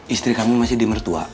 istri kami masih di mertua